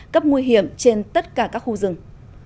cấp nguy hiểm trên tất cả các khu rừng